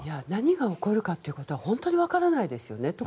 何が起こるかということは本当にわからないですよね。